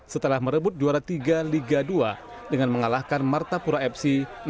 setelah merebut juara tiga liga dua dengan mengalahkan martapura fc enam